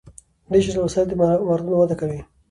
ډیجیټل وسایل د مهارتونو وده کوي.